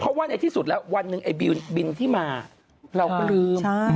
เพราะว่าในที่สุดแล้ววันหนึ่งไอ้บินที่มาเราก็ลืม